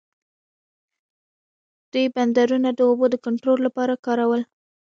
دوی بندرونه د اوبو د کنټرول لپاره کارول.